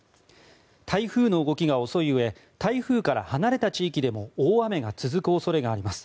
台風の動きが遅いうえ台風から離れた地域でも大雨が続く恐れがあります。